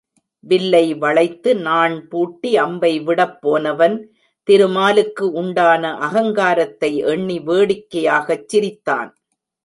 வில்லை வளைத்து, நாண் பூட்டி, அம்பை விடப் போனவன், திருமாலுக்கு உண்டான அகங்காரத்தை எண்ணி வேடிக்கையாகச் சிரித்தான்.